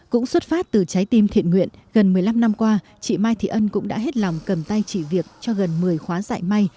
cũng xuất phát từ trái tim thiện nguyện gần một mươi năm năm qua chị mai thị ân cũng đã hết lòng cầm tay chỉ việc cho gần một mươi khóa dạy may